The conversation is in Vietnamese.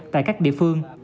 tại các địa phương